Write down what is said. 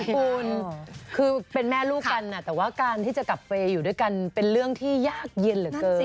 คุณคือเป็นแม่ลูกกันแต่ว่าการที่จะกลับเฟย์อยู่ด้วยกันเป็นเรื่องที่ยากเย็นเหลือเกิน